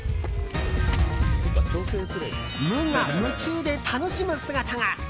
無我夢中で楽しむ姿が。